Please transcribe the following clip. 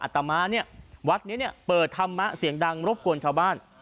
ตามมาเนี่ยวัดนี้เปิดธรรมะเสียงดังรบกวนชาวบ้าน